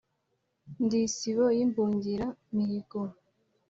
ndi sibo y’imbungiramihigo